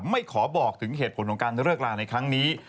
ไม่ขอบอกถึงเหตุผลของการเลิกลาในครั้งนี้